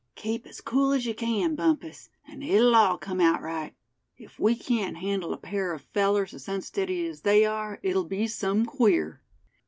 "Keep as cool as you can, Bumpus, and it'll all come out right. If we can't handle a pair of fellers as unsteady as they are, it'll be some queer."